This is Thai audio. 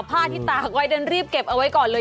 ผ้าที่ตากไว้นั้นรีบเก็บเอาไว้ก่อนเลย